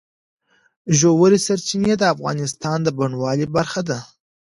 ژورې سرچینې د افغانستان د بڼوالۍ برخه ده.